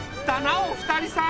お二人さん。